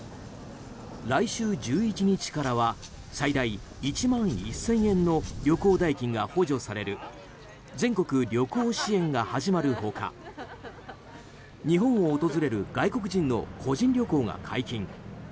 来週１１日からは最大１万１０００円の旅行代金が補助される全国旅行支援が始まる他日本を訪れる外国人の個人旅行が解禁。